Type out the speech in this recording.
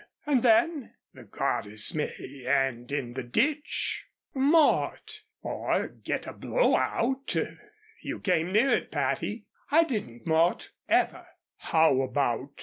"And then?" "The goddess may end in the ditch." "Mort!" "Or get a blow out you came near it, Patty." "I didn't, Mort ever." "How about